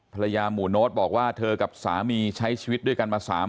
หมู่โน้ตบอกว่าเธอกับสามีใช้ชีวิตด้วยกันมา๓ปี